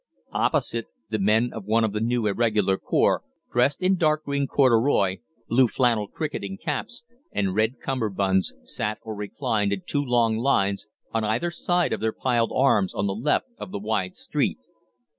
Opposite, the men of one of the new irregular corps, dressed in dark green corduroy, blue flannel cricketing caps, and red cummerbunds, sat or reclined in two long lines on either side of their piled arms on the left of the wide street.